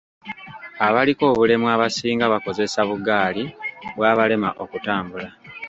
Abaliko obulemu abasinga bakozesa bugaali bw'abalema okutambula.